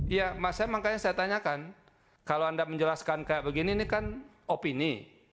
iya makanya saya tanyakan kalau anda menjelaskan kayak begini ini kan opini